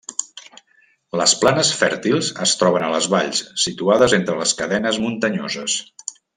Les planes fèrtils es troben a les valls situades entre les cadenes muntanyoses.